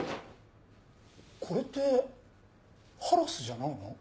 これってハラスじゃないの？